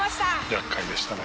「厄介でしたね」